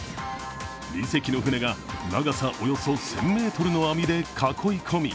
２隻の船が長さおよそ１０００ｍの網で囲い込み